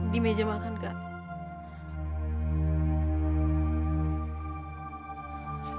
di meja makan kak